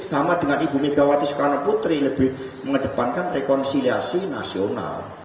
sama dengan ibu megawati soekarno putri lebih mengedepankan rekonsiliasi nasional